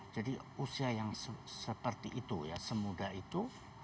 jadi usia yang seperti itu ya semuda itu